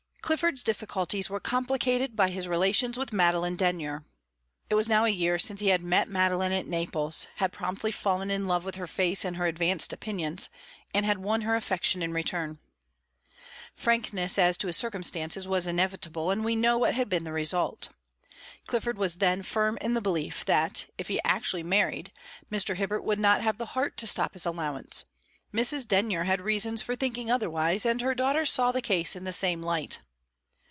Clifford's difficulties were complicated by his relations with Madeline Denyer. It was a year since he had met Madeline at Naples, had promptly fallen in love with her face and her advanced opinions, and had won her affection in return. Clifford was then firm in the belief that, if he actually married, Mr. Hibbert would not have the heart to stop his allowance; Mrs. Denyer had reasons for thinking otherwise, and her daughter saw the case in the same light.